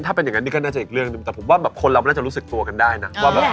ถ้าเป็นอย่างนั้นนี่ก็น่าจะอีกเรื่องหนึ่งแต่ผมว่าแบบคนเราไม่น่าจะรู้สึกตัวกันได้นะว่าแบบ